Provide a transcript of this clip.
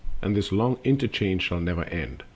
And this long interchange shall never end.